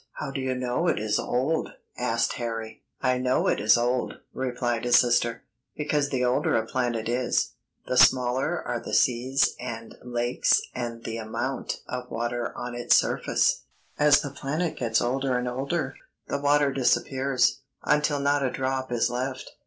"How do you know it is old?" asked Harry. [Illustration: THE PLANET MARS.] "I know it is old," replied his sister, "because the older a planet is, the smaller are the seas and lakes and the amount of water on its surface. As the planet gets older and older, the water disappears, until not a drop is left.